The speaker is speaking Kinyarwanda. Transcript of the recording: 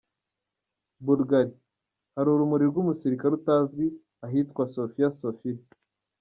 Bulgarie : Hari Urumuri rw’Umusirikare Utazwi ahitwa Sofia Sofia.